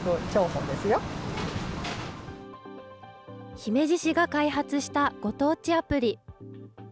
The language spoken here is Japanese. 姫路市が開発したご当地アプリ。